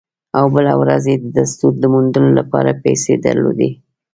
او بله ورځ یې د ستورو د موندلو لپاره پیسې درلودې